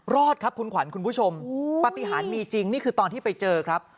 รอดครับคุณขวัญคุณผู้ชมปฏิหารมีจริงนี่คือตอนที่ไปเจอครับ